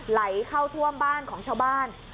ไหลเข้าท่วมบ้านของชาวบ้าน